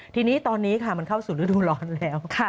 ทีนี้ตอนนี้ค่ะมันเข้าสู่ฤดูร้อนแล้ว